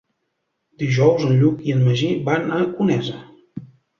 Dijous en Lluc i en Magí van a Conesa.